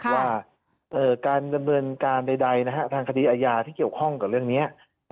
ว่าการดำเนินการใดทางคดีอาญาที่เกี่ยวข้องกับเรื่องนี้